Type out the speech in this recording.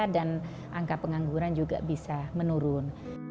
dan angka pengangguran juga bisa menurun